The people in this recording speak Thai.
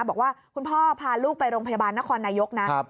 บอกว่าคุณพ่อพาลูกไปโรงพยาบาลนครนายกนะ